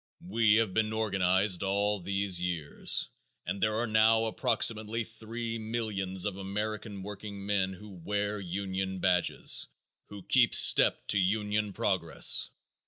We have been organizing all these years, and there are now approximately three millions of American workingmen who wear union badges, who keep step to union progress.